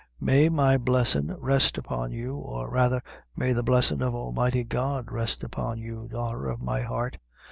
"May my blessin' rest upon you, or rather may the blessin' of Almighty God, rest upon you, daughter of my heart!